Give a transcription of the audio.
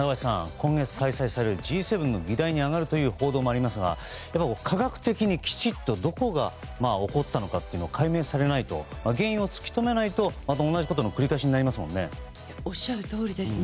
今月開催されるＧ７の議題に上がるという報道もありますが科学的にきちっとどこが起こったのかというのが解明されないと原因を突き止めないとまた同じことの繰り返しになりますよね。